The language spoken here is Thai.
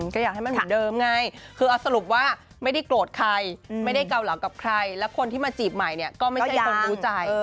ก็อยากให้มันเหมือนเดิมไงคือเอาสรุปว่าไม่ได้โกรธใครไม่ได้เกาเหลากับใครแล้วคนที่มาจีบใหม่เนี่ยก็ไม่ใช่คนรู้ใจ